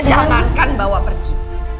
jangan bawa pergi